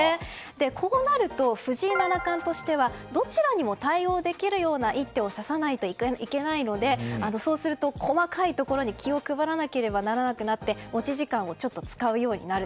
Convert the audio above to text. こうなると、藤井七冠としてはどちらにも対応できるような一手を指さないといけないのでそうすると細かいところに気を配らなければならなくなり持ち時間を使うようになる。